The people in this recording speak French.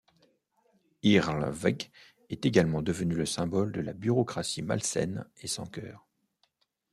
Irlweg est également devenue le symbole de la bureaucratie malsaine et sans cœur.